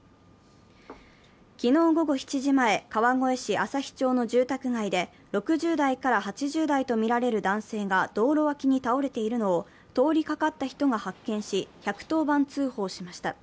昨日午後７時前、川越市旭町の住宅街で６０代から８０代とみられる男性が道路脇に倒れているのを通りかかった人が発見し、１１０番通報しました。